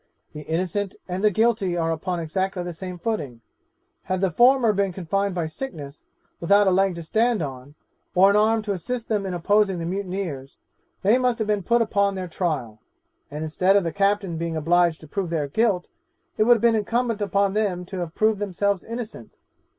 The innocent and the guilty are upon exactly the same footing had the former been confined by sickness, without a leg to stand on, or an arm to assist them in opposing the mutineers, they must have been put upon their trial, and instead of the captain being obliged to prove their guilt, it would have been incumbent upon them to have proved themselves innocent.